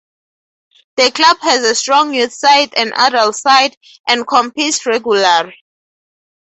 The club has a strong youth side and adult side and competes regularly.